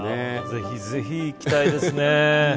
ぜひぜひ行きたいですね。